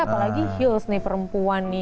apalagi heels nih perempuan nih